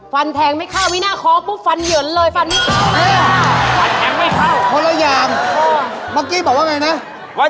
ฟันแทงไม่เข้ามีหน้าของบุ๊บฟันเหยืองเลยฟันไม่เข้า